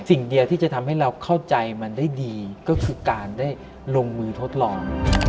สิ่งเดียวที่จะทำให้เราเข้าใจมันได้ดีก็คือการได้ลงมือทดลอง